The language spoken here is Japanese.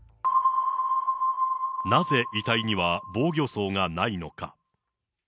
なぜ遺体には防御創がないのか。